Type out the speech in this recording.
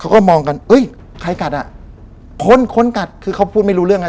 เขาก็มองกันเอ้ยใครกัดอ่ะคนคนกัดคือเขาพูดไม่รู้เรื่องไง